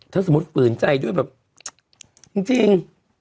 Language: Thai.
ถ้าสมมุติฝืนใจด้วยแบบจริง